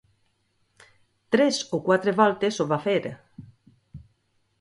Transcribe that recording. Tres o quatre voltes ho va fer.